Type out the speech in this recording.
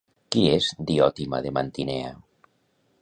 Qui és Diòtima de Mantinea?